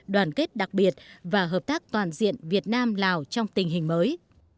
đoàn kết đặc biệt và hợp tác toàn diện việt nam lào trong tình hình mới